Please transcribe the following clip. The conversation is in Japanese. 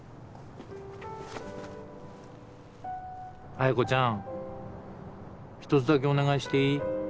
彩子ちゃん一つだけお願いしていい？